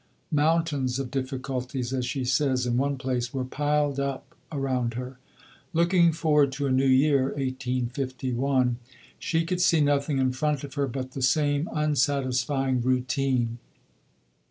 "Mountains of difficulties," as she says in one place, were "piled up" around her. Looking forward to a New Year (1851) she could see nothing in front of her but the same unsatisfying routine.